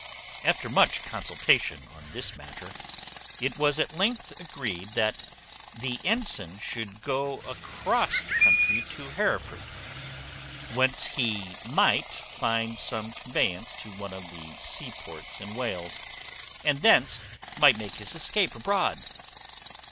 After much consultation on this matter, it was at length agreed that the ensign should go across the country to Hereford, whence he might find some conveyance to one of the sea ports in Wales, and thence might make his escape abroad.